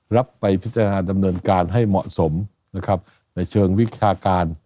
รับไปพิจารณาดำเนินการให้เหมาะสมนะครับในเชิงวิชาการ